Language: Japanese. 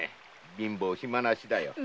貧乏暇なしだよ。